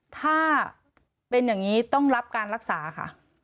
ถ้าเป็นอย่างนี้ต้องรับการรักษาค่ะ